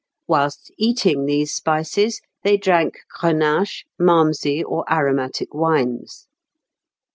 Whilst eating these spices they drank Grenache, Malmsey, or aromatic wines (Fig.